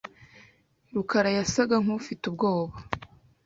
rukarayasaga nkufite ubwoba.